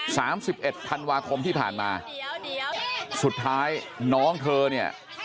สามสิบเอ็ดพันวาคมที่ผ่านมาสุดท้ายน้องเธอเนี่ย